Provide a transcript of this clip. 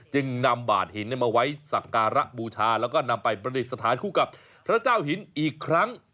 จึงนำบาดหินมาไว้สักการะบูชาแล้วก็นำไปประดิษฐานคู่กับพระเจ้าหินอีกครั้ง